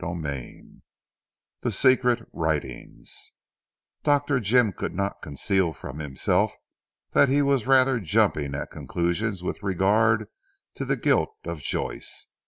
CHAPTER X THE SECRET WRITINGS Dr. Jim could not conceal from himself, that he was rather jumping at conclusions with regard to the guilt of Joyce.